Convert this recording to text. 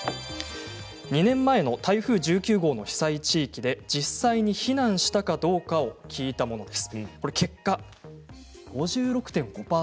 ２年前の台風１９号の被災地域で実際に避難したかどうかを聞いたものです。